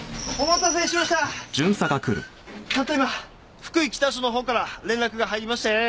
たった今福井北署のほうから連絡が入りましてね。